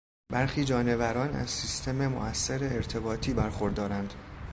برخی جانوران از سیستم موثر ارتباطی برخوردارند.